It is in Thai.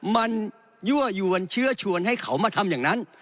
มันยั่วยวนเชื้อชวนให้เขามาทำอย่างนั้น